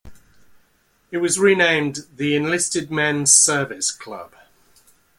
It was renamed "The Enlisted Men's Service Club".